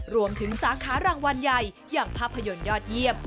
สาขารางวัลใหญ่อย่างภาพยนตร์ยอดเยี่ยม